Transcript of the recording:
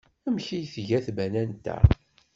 Amek ay tga tbanant-a?